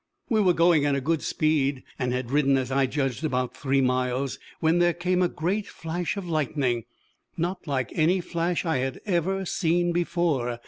We were going at a good speed, and had ridden, as I judged, about three miles, when there came a great flash of lightning not like any flash I had ever seen before.